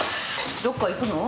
どこか行くの？